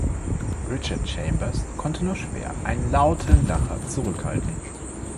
Richard Chambers konnte nur schwer einen lauten Lacher zurückhalten.